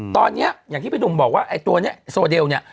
ตอนนี้อย่างที่พี่หนุ่มบอกว่าไอ้ตัวนี้โซเดลเนี่ย